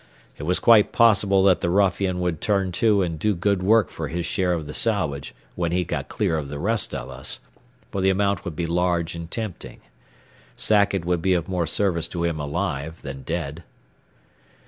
It was quite possible that the ruffian would turn to and do good work for his share of the salvage when he got clear of the rest of us, for the amount would be large and tempting. Sackett would be of more service to him alive than dead.